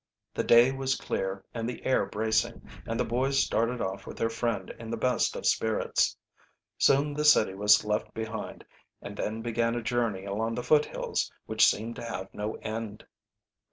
The day was clear and the air bracing, and the boys started off with their friend in the best of spirits. Soon the city was left behind, and then began a journey along the foothills which seemed to have no end.